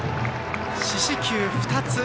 四死球２つ。